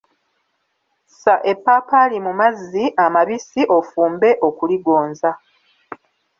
Ssa eppaapaali mu mazzi amabisi ofumbe okuligonza.